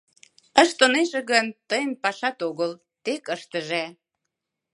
Ыштынеже гын, тыйын пашат огыл, тек ыштыже.